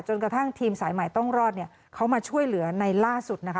กระทั่งทีมสายใหม่ต้องรอดเขามาช่วยเหลือในล่าสุดนะคะ